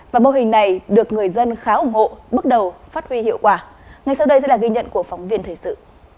và mô hình này được người dân khá ủng hộ bước đầu phát huy hiệu quả ngay sau đây sẽ là ghi nhận của phóng viên thời sự